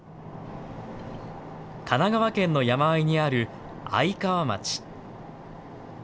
神奈川県の山あいにある愛川町。